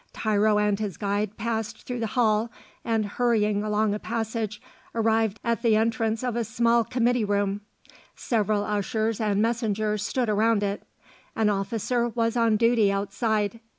Tiro and his guide passed through the hall and hurrying along a passage arrived at the entrance of a small committee room. Several ushers and messengers stood around it; an officer was on duty outside.